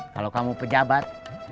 kalau kamu pejabat